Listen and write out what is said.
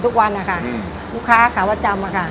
ทุกวันนะคะลูกค้าขาประจำอะค่ะ